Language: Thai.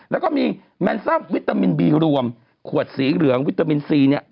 แล้วก็มีแมนซัมวิตามินบีรวมขวดสีเหลืองวิตามินซีเนี่ย